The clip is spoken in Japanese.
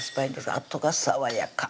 あとがさわやか